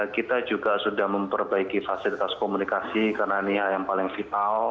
kita juga sudah memperbaiki fasilitas komunikasi karena ini yang paling vital